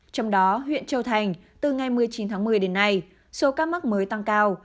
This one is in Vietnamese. trong đó huyện châu thành từ ngày một mươi chín tháng một mươi đến nay số ca mắc mới tăng cao